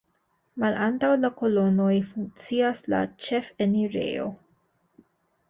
Malantaŭ la kolonoj funkcias la ĉefenirejo.